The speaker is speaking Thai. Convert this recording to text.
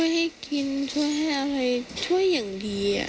ให้กินช่วยให้อะไรช่วยอย่างดี